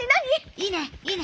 いいねいいね！